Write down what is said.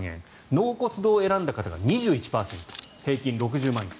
納骨堂を選んだ人が２１％平均６０万円。